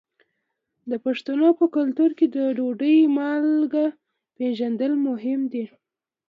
د پښتنو په کلتور کې د ډوډۍ مالګه پیژندل مهم دي.